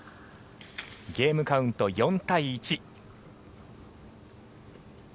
ゲームカウント４対１。